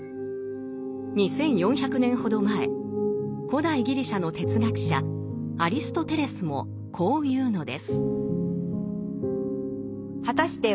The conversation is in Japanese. ２，４００年ほど前古代ギリシャの哲学者アリストテレスもこう言うのです。